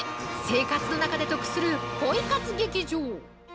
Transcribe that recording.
生活の中で得するポイ活劇場！